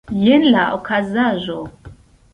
Jen la okazaĵo.